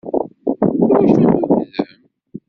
Iwacu tugdem?